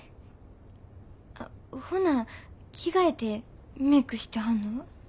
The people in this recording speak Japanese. ほな着替えてメークしてはんのは？